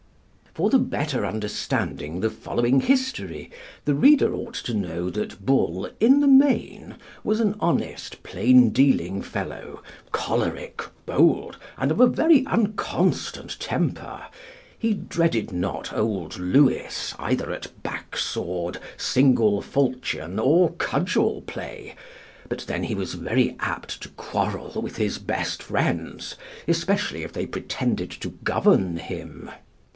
For the better understanding the following history, the reader ought to know that Bull, in the main, was an honest, plain dealing fellow, choleric, bold, and of a very unconstant temper; he dreaded not old Lewis either at backsword, single falchion, or cudgel play; but then he was very apt to quarrel with his best friends, especially if they pretended to govern him.